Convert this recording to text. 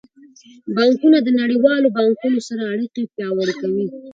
بانکونه د نړیوالو بانکونو سره اړیکې پیاوړې کوي.